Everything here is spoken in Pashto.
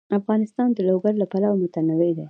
افغانستان د لوگر له پلوه متنوع دی.